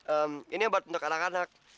ehm ini obat untuk anak anak